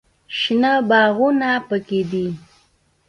شنه باغونه پکښې دي.